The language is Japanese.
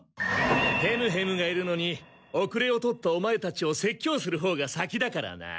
ヘムヘムがいるのに後れを取ったオマエたちを説教するほうが先だからな。